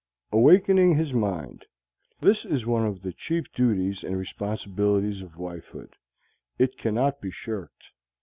Awakening his mind. This is one of the chief duties and responsibilities of wifehood. It cannot be shirked.